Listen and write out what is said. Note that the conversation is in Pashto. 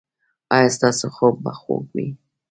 ایا ستاسو خوب به خوږ وي؟